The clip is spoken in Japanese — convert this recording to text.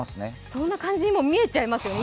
そんな感じにも見えちゃいますよね、